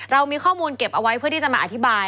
เรามีข้อมูลเก็บเอาไว้เพื่อที่จะมาอธิบาย